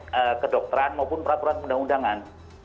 dengan kedokteran maupun peraturan undangan undangan